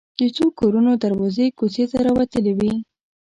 د څو کورونو دروازې کوڅې ته راوتلې وې.